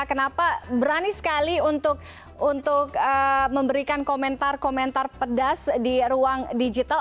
kenapa berani sekali untuk memberikan komentar komentar pedas di ruang digital